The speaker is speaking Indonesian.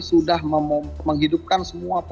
sudah menghidupkan semua alat alat ini